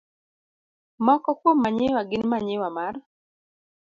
Moko kuom manyiwa gin manyiwa mar